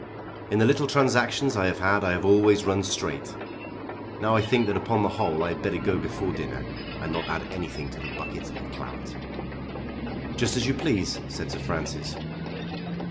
In the little transactions I have had I have always run straight. Now I think that upon the whole I had better go before dinner, and not add anything to the bucket of claret." "Just as you please," said Sir Francis.